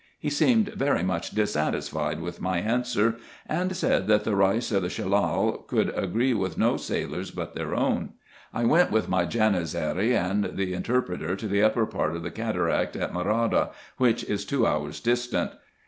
He seemed very much dissatisfied with my answer, and said, that the Reis of the Shellal could agree with no sailors but their own. I went with my Janizary and the interpreter to the upper part of the cataract at Morada, which is two hours distant.